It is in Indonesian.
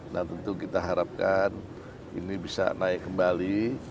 nah tentu kita harapkan ini bisa naik kembali